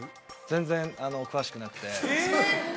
全然詳しくなくてええ！？